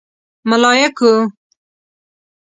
_ملايکو!